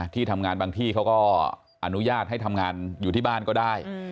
ที่ทำงานบางที่เขาก็อนุญาตให้ทำงานอยู่ที่บ้านก็ได้